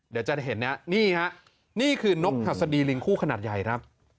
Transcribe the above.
เดี๋ยวจะเห็นนะนี่ฮะนี่คือนกหัสดีลิงคู่ขนาดใหญ่ครับ